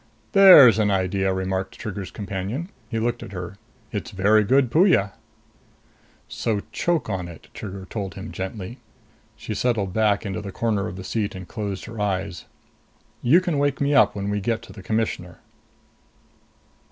"There's an idea," remarked Trigger's companion. He looked at her. "It's very good Puya." "So choke on it," Trigger told him gently. She settled back into the corner of the seat and closed her eyes. "You can wake me up when we get to the Commissioner."